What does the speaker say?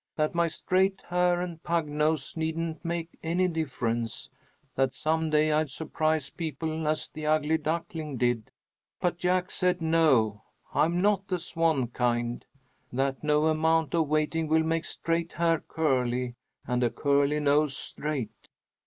That my straight hair and pug nose needn't make any difference; that some day I'd surprise people as the ugly duckling did. But Jack said, no, I am not the swan kind. That no amount of waiting will make straight hair curly and a curly nose straight.